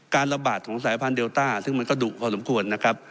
ระบาดของสายพันธุเดลต้าซึ่งมันก็ดุพอสมควรนะครับ